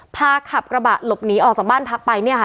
ขับกระบะหลบหนีออกจากบ้านพักไปเนี่ยค่ะ